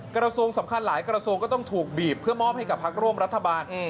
กระทรวงสำคัญหลายกระทรวงก็ต้องถูกบีบเพื่อมอบให้กับพักร่วมรัฐบาล